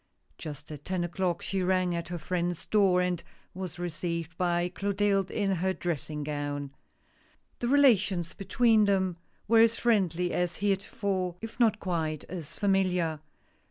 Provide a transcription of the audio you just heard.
Just at ten o'clock she rang at her friend's door, and was received by Clotilde in her dressing gown. The relations between them were as friendly as heretofore, if not quite as familiar.